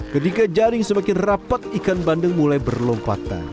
ketika jaring semakin rapat ikan bandeng mulai berlompatan